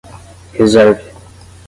Reserve.